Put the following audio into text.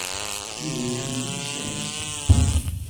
Yuba iḥemmel imcac?